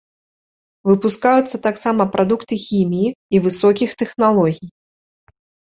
Выпускаюцца таксама прадукты хіміі і высокіх тэхналогій.